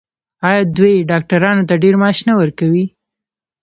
آیا دوی ډاکټرانو ته ډیر معاش نه ورکوي؟